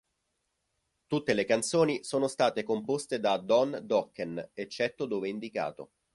Tutte le canzoni sono state composte da Don Dokken, eccetto dove indicato.